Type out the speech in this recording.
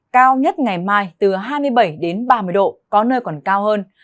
cao nhất ngày mai từ hai mươi bảy đến ba mươi độ có nơi còn cao hơn